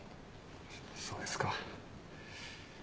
そうですか。